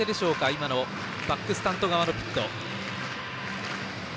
今のバックスタンド側のピット。